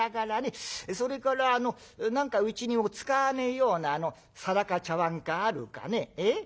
それから何かうちに使わねえような皿か茶碗かあるかね。